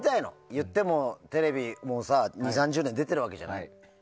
言ってもテレビに２０３０年出ているわけじゃない。